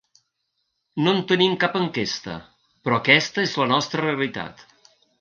No en tenim cap enquesta, però aquesta és la nostra realitat.